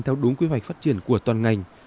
theo đúng quy hoạch phát triển của toàn ngành